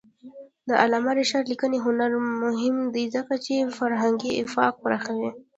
د علامه رشاد لیکنی هنر مهم دی ځکه چې فرهنګي افق پراخوي.